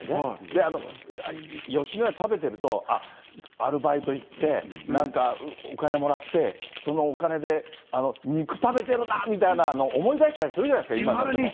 で、あの、吉野家食べてると、あっ、アルバイト行って、なんかお金もらって、そのお金で肉食べてるなみたいな、思い出したりするじゃないですか、今でも。